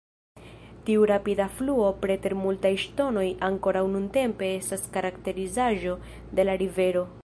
Tiu rapida fluo preter multaj ŝtonoj ankoraŭ nuntempe estas karakterizaĵo de la rivero.